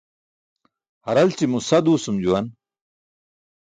Haralći̇mo sa duusum juwan.